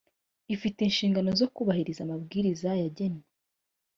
afite inshingano zo kubahiriza amabwiriza yagenwe